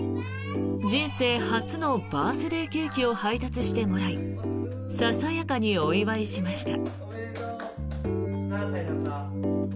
人生初のバースデーケーキを配達してもらいささやかにお祝いしました。